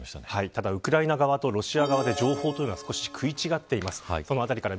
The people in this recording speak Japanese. ただ、ウクライナ側とロシア側で情報が少し食い違っています。